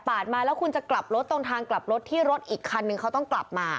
มาแล้วคุณจะกลับรถตรงทางกลับรถที่รถอีกคันนึงเขาต้องกลับมา